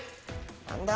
何だ？